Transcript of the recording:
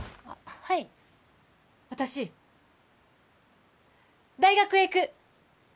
はい私大学へ行く！